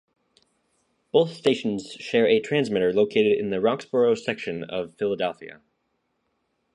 Both stations share a transmitter located in the Roxborough section of Philadelphia.